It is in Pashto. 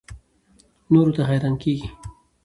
نو ورته حېران کيږي